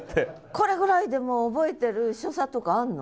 これぐらいでも覚えてる所作とかあるの？